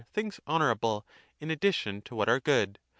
things honourable in addition to what are good